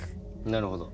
なるほど。